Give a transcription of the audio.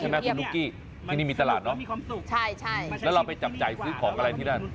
ใช่เลยของเทพเทียมที่นี่มีตลาดเนาะใช่แล้วเราไปจับจ่ายซื้อของอะไรที่นั่น